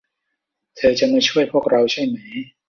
เธอจะมาช่วยพวกเราใช่ไหม